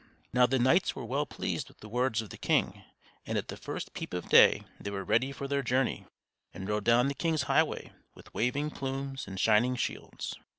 Now the knights were well pleased with the words of the king, and at the first peep of day they were ready for their journey, and rode down the king's highway with waving plumes and shining shields.